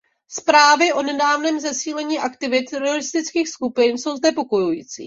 Zprávy o nedávném zesílení aktivit teroristických skupin jsou znepokojující.